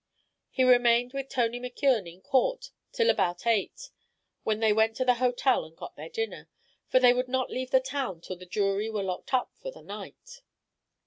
He remained with Tony McKeon in court till about eight, when they went to the hotel and got their dinner for they would not leave the town till the jury were locked up for the night.